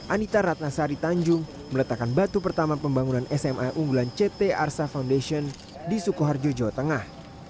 anita ratnasari tanjung meletakkan batu pertama pembangunan sma unggulan ct arsa foundation di sukoharjo jawa tengah